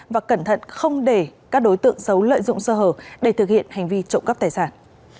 và cẩn thận không để các đối tượng xấu lợi dụng sơ hở để thực hiện hành vi trộm cắp tài sản